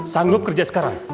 sanggup kerja sekarang